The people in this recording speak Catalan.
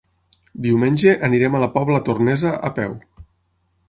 Diumenge anirem a la Pobla Tornesa a peu.